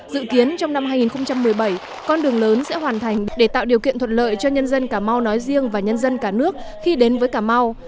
dự kiến trong năm hai nghìn một mươi bảy con đường lớn sẽ hoàn thành để tạo điều kiện thuận lợi cho nhân dân cà mau nói riêng và nhân dân cả nước khi đến với cà mau